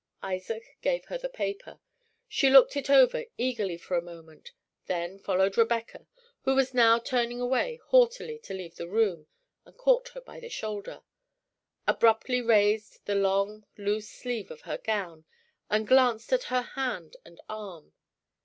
Isaac gave her the paper. She looked it over eagerly for a moment, then followed Rebecca, who was now turning away haughtily to leave the room, and caught her by the shoulder abruptly raised the long, loose sleeve of her gown, and glanced at her hand and arm.